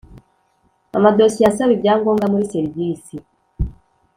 Amadosiye asaba ibyangombwa muri serivisi